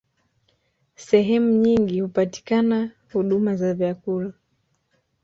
Sehemu nyingi hupatikana huduma za vyakula